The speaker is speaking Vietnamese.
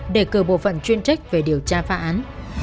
để cử bộ phận chuyên trách về điều tra phá án